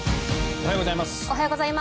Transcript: おはようございます。